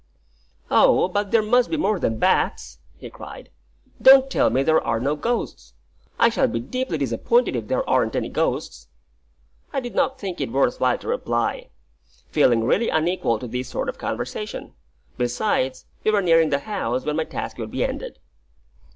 "Oh, but there must be more than bats," he cried. "Don't tell me there are no ghosts. I shall be deeply disappointed if there aren't any ghosts." I did not think it worth while to reply, feeling really unequal to this sort of conversation; besides, we were nearing the house, when my task would be ended.